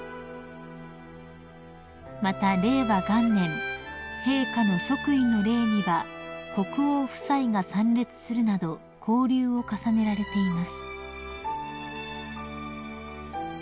［また令和元年陛下の即位の礼には国王夫妻が参列するなど交流を重ねられています］